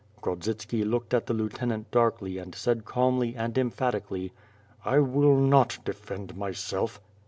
Grodzitski looked at the lieutenant darkly and said calmly and emphatically: ^T[ will not defend myself.